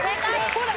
ほら！